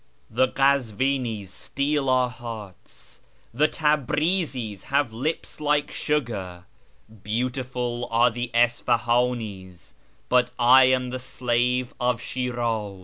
The Kazvinis steal our hearts, the Tabrizis have lips like sugar, Beautiful are the Isfahanis, but I am the slave of Shiraz."